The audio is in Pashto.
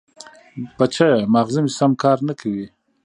بچیه! ماغزه مې سم کار نه کوي.